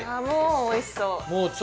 もうおいしそう。